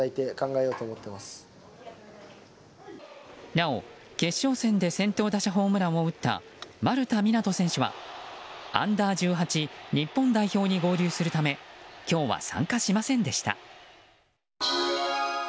なお、決勝戦で先頭打者ホームランを打った丸田湊斗選手はＵ‐１８日本代表に合流するため今日は参加しませんでした。